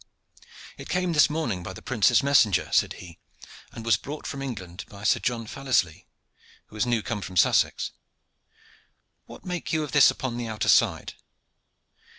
"It came this morning by the prince's messenger," said he, "and was brought from England by Sir John Fallislee, who is new come from Sussex. What make you of this upon the outer side?"